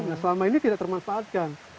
nah selama ini tidak termanfaatkan